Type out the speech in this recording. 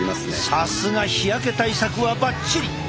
さすが日焼け対策はばっちり！